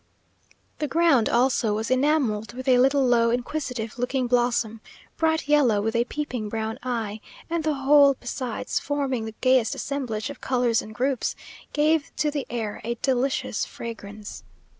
The ground also was enamelled with a little low inquisitive looking blossom, bright yellow, with a peeping brown eye; and the whole, besides forming the gayest assemblage of colours and groups, gave to the air a delicious fragrance.